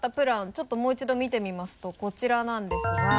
ちょっともう一度見てみますとこちらなんですが。